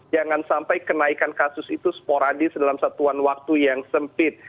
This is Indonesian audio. jangan sampai kenaikan kasus itu sporadis dalam satuan waktu yang sempit